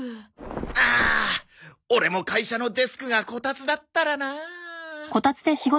あオレも会社のデスクがこたつだったらな。